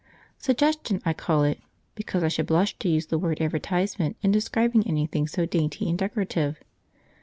Suggestion I call it, because I should blush to use the word advertisement in describing anything so dainty and decorative.